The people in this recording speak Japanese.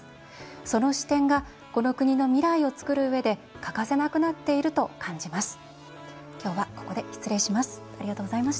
その視点がこの国の未来を作るうえで欠かせなくなっていると感じます。